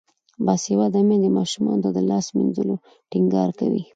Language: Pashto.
باسواده میندې ماشومانو ته د لاس مینځلو ټینګار کوي.